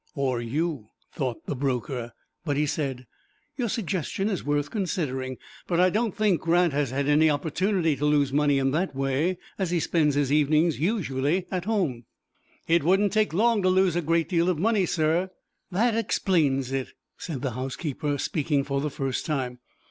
"Or you," thought the broker; but he said: "Your suggestion is worth considering, but I don't think Grant has had any opportunity to lose money in that way, as he spends his evenings usually at home." "It wouldn't take long to lose a great deal of money, sir." "That explains it," said the housekeeper, speaking for the first time.